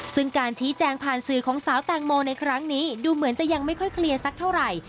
ซึ่งการชี้แจงผ่านสื่อของสาวแตงโมในครั้งนี้ดูเหมือนจะยังไม่ค่อยเคลียร์สักเท่าไหร่